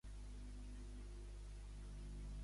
Quina era la seva professió de l'home?